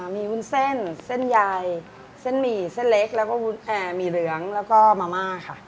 มีวุ้นเส้นเส้นใหญ่เส้นหมี่เส้นเล็กแล้วก็วุ้นแอร์หมี่เหลืองแล้วก็มาม่าค่ะ